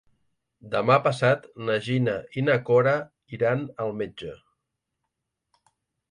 Demà passat na Gina i na Cora iran al metge.